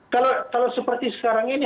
kalau seperti sekarang ini